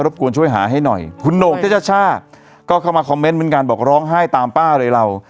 กวนช่วยหาให้หน่อยคุณโหนกเทช่าก็เข้ามาคอมเมนต์เหมือนกันบอกร้องไห้ตามป้าเลยเรา